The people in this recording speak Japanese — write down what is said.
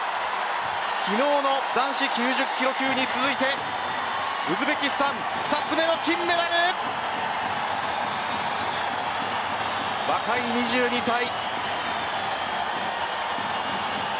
昨日の男子９０キロ級に続いてウズベキスタン２つ目の金メダル若い２２歳。